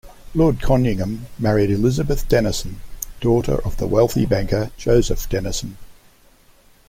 Lord Conyngham married Elizabeth Denison, daughter of the wealthy banker Joseph Denison.